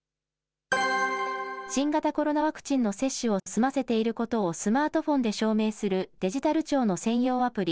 新型コロナワクチンの接種を済ませていることをスマートフォンで証明するデジタル庁の専用アプリ。